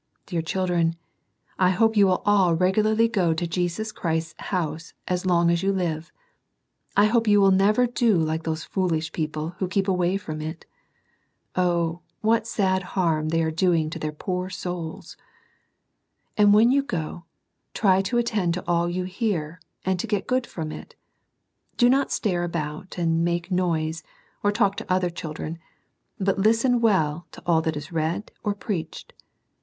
Dear children, I hope you will all regularly go to Jesus Christ's house as long as you live. I hope you will never do like those foolish people who keep away from it. Oh, what sad harm they are doing to their poor souls I And when you go, try to attend to all you hear, and to get good from it. Do not stare about, and make a noise, or talk to other chil dren, but listen well to all that is read or preached.